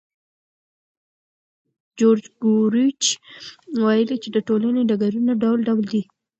جورج ګوروویچ ویلي چې د ټولنې ډګرونه ډول ډول دي.